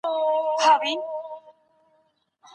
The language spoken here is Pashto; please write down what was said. علم او پوهه د هر پرمختګ کیلي ده.